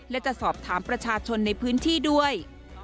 และจะสอบถามประชาชนในพื้นที่ด้วย